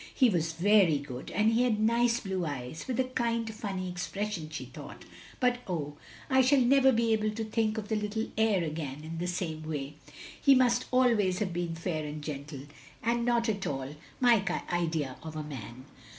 " He was very good and he had nice blue eyes, with a kind funny expression,*' she thought, "but oh, I shall never be able to think of the * little heir' again in the same way. He must jal ways have been fair and gentle, and not at all my idea of a man.